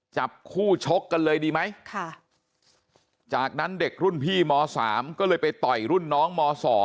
จับคู่ชกกันเลยดีไหมจากนั้นเด็กรุ่นพี่ม๓ก็เลยไปต่อยรุ่นน้องม๒